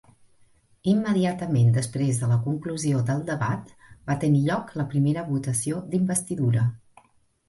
Immediatament després de la conclusió del debat, va tenir lloc la primera votació d'investidura.